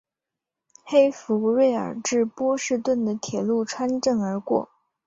黑弗瑞尔至波士顿的铁路穿镇而过。